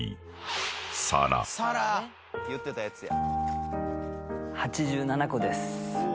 言ってたやつや。